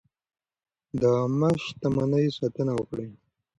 د عامه شتمنیو ساتنه وکړئ.